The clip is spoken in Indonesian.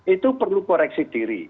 itu perlu koreksi diri